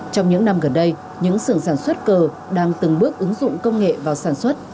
trong những năm gần đây những sưởng sản xuất cờ đang từng bước ứng dụng công nghệ vào sản xuất